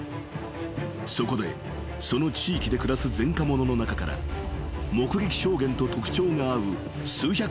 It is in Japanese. ［そこでその地域で暮らす前科者の中から目撃証言と特徴が合う数百枚の写真をリストアップ］